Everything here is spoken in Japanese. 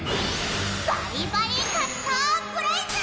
バリバリカッターブレイズ！